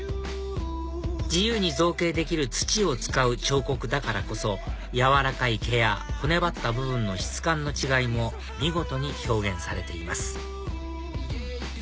自由に造形できる土を使う彫刻だからこそ柔らかい毛や骨ばった部分の質感の違いも見事に表現されています